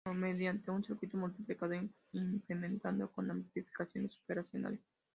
O mediante un circuito multiplicador implementando con amplificadores operacionales.